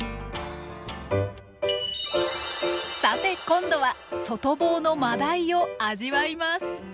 さて今度は外房のマダイを味わいます！